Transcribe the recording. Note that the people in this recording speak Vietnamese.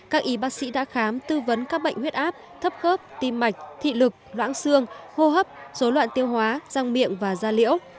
các y bác sĩ đã khám tư vấn các bệnh huyết áp thấp khớp tim mạch thị lực loãng xương hô hấp dối loạn tiêu hóa răng miệng và da liễu